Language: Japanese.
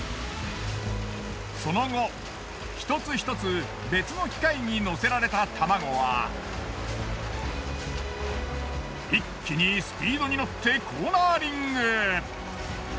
その後一つひとつ別の機械に乗せられた卵は一気にスピードにのってコーナーリング。